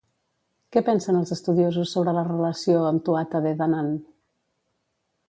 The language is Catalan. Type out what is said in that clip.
Què pensen els estudiosos sobre la relació amb Tuatha Dé Danann?